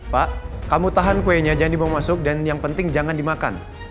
pak kamu tahan kuenya jangan dibawa masuk dan yang penting jangan dimakan